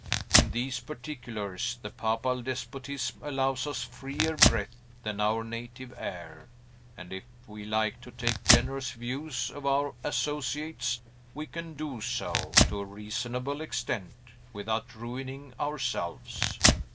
In these particulars the papal despotism allows us freer breath than our native air; and if we like to take generous views of our associates, we can do so, to a reasonable extent, without ruining ourselves."